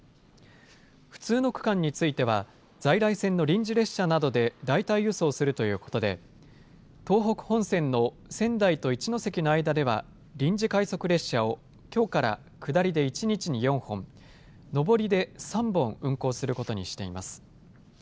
不通の区間については、在来線の臨時列車などで代替輸送するということで、東北本線の仙台と一ノ関の間では臨時快速列車を、きょうから下りで１日に４本、上りで３本運行することにしています。